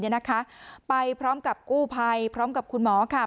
ไปพร้อมกับกู้ภัยพร้อมกับคุณหมอค่ะ